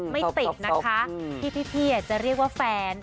ไม่ติดนะคะที่พี่จะเรียกว่าแฟน